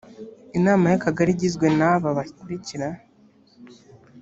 inama y akagari igizwe n aba bakurikira